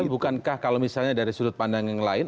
bukankah kalau misalnya dari sudut pandang yang lain